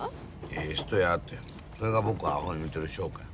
ええ人やてそれが僕をアホや言うてる証拠や。